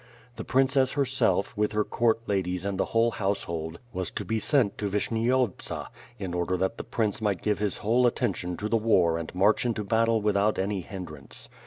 The princess herself, with her court ladies and the whole house hold, was to be sent to Vishniovtsa, in order that the prince might give his whole attention to the war and march into battle without any hindrance.